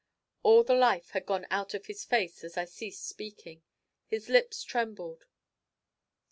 All the life had gone out of his face as I ceased speaking. His lips trembled.